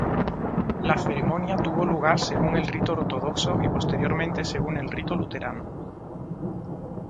La ceremonia tuvo lugar según el rito ortodoxo y posteriormente según el rito luterano.